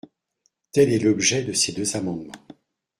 Tel est l’objet de ces deux amendements.